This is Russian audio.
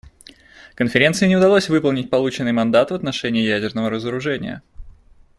Конференции не удалось выполнить полученный мандат в отношении ядерного разоружения.